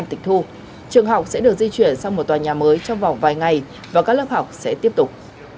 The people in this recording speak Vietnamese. trường học sẽ được di chuyển sang một tòa nhà mới trong vòng vài ngày và các lớp học sẽ tiếp tục